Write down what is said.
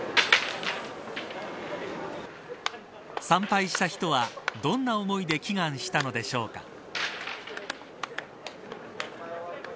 参拝した人はどんな思いで祈願したのでしょうか。